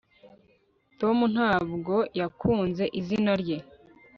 tom ntabwo yakunze izina rye